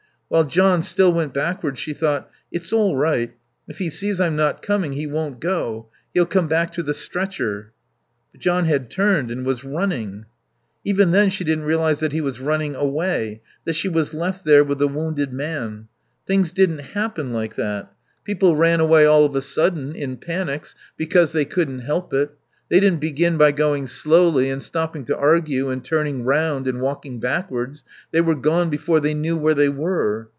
While John still went backwards she thought: It's all right. If he sees I'm not coming he won't go. He'll come back to the stretcher. But John had turned and was running. Even then she didn't realise that he was running away, that she was left there with the wounded man. Things didn't happen like that. People ran away all of a sudden, in panics, because they couldn't help it; they didn't begin by going slowly and stopping to argue and turning round and walking backwards; they were gone before they knew where they were.